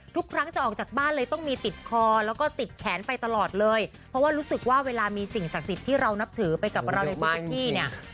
ทุกครั้งจะออกจากบ้านเลยต้องมีติดคอแล้วก็ติดแขนไปตลอดเลยเพราะว่ารู้สึกว่าเวลามีสิ่งศักดิ์สิทธิ์ที่เรานับถือไปกับเราในพื้นที่เนี่ย